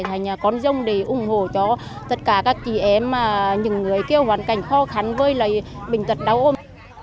rác thải thành con dông để ủng hộ cho tất cả các chị em mà những người kêu hoàn cảnh khó khăn với lại bình thật đau ôm